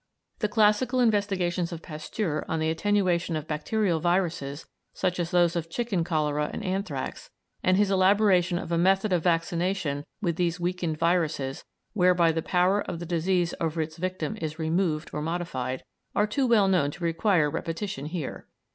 The classical investigations of Pasteur on the attenuation of bacterial viruses such as those of chicken cholera and anthrax, and his elaboration of a method of vaccination with these weakened viruses whereby the power of the disease over its victim is removed or modified, are too well known to require repetition here.